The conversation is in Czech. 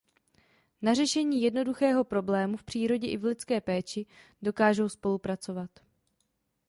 Na řešení jednoduchého problému v přírodě i v lidské péči dokážou spolupracovat.